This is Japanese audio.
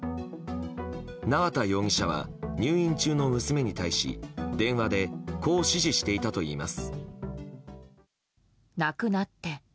縄田容疑者は入院中の娘に対し電話でこう指示していたといいます。